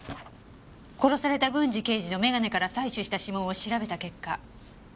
殺された郡侍刑事の眼鏡から採取した指紋を調べた結果。